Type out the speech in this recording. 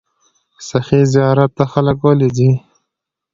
سخي زیارت ته خلک ولې ځي؟